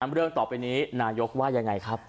เรื่องต่อไปนี้นายกว่ายังไงครับ